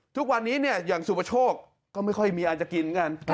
ทุกวันนี้อย่างสุภาโชคก็ไม่ค่อยมีอาจจะกินกัน